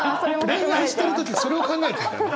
恋愛してる時それを考えてたの？